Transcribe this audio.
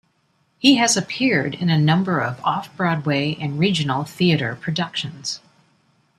He has appeared in a number of off-Broadway and regional theater productions.